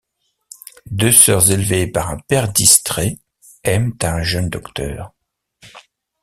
Deux sœurs élevées par un père distrait, aiment un jeune docteur.